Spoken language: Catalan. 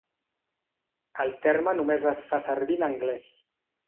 El terme només es fa servir en anglès.